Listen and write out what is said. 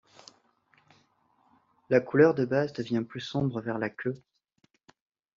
La couleur de base devient plus sombre vers la queue.